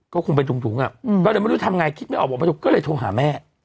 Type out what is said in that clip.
ก็คงเป็นดุงอ่ะแล้วเดี๋ยวไม่รู้ทำไงคิดไม่ออกมาดูก็เลยโทรหาแม่